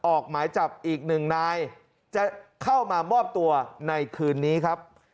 ออกหมายจับอีกหนึ่งนายจะเข้ามามอบตัวในคืนนี้ครับ